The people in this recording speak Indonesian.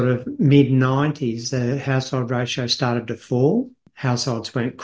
ketika kita mendatang ke sembilan puluh an rasio tabungan rata rata itu mulai jatuh